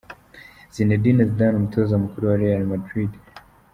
ZineDine Zidane umutoza mukuru wa Real Madrid.